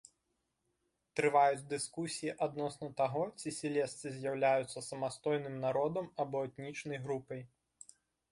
Трываюць дыскусіі адносна таго ці сілезцы з'яўляюцца самастойным народам або этнічнай групай.